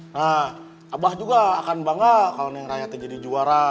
nah mbak juga akan bangga kalau neng raya jadi juara